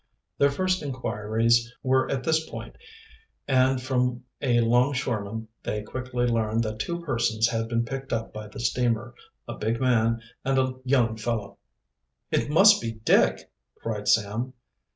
Their first inquiries were at this point, and from a longshoreman they quickly learned that two persons had been picked up by the steamer, a big man and a young fellow. "It must be Dick!" cried Sam.